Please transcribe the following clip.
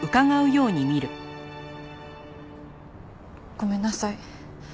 ごめんなさい。